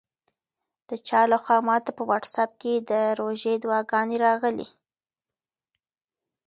د چا لخوا ماته په واټساپ کې د روژې دعاګانې راغلې.